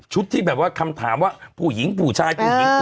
ชุดที่แบบว่าคำถามว่าผู้หญิงผู้ชาย